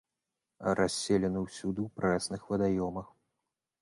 Расселены ўсюды ў прэсных вадаёмах.